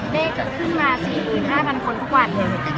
ได้ขึ้นมา๔๕๐๐๐คนทุกวัน